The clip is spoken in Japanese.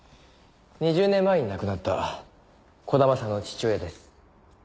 ２０年前に亡くなった児玉さんの父親です。